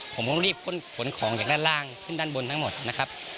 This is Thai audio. ผมก็รีบขนของจากด้านล่างขึ้นด้านบนทั้งหมดนะครับ